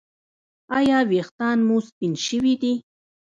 ایا ویښتان مو سپین شوي دي؟